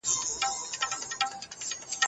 را روان دی په تلوار د ډهلي لورته